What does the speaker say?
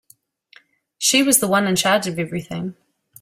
She was the one in charge of everything.